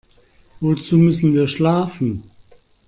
Wozu müssen wir schlafen?